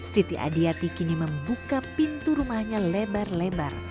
siti adi yati kini membuka pintu rumahnya lebar lebar